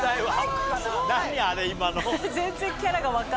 何あれ今の。